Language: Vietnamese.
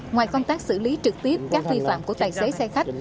ngoài công tác xử lý trực tiếp các vi phạm của tài xế xe khách